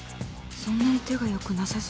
そんなに手が良くなさそう